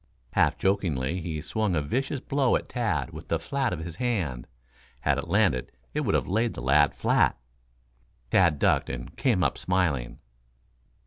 Half jokingly, he swung a vicious blow at Tad with the flat of his hand. Had it landed it would have laid the lad flat. Tad ducked and came up smiling.